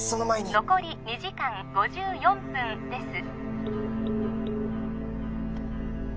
残り２時間５４分です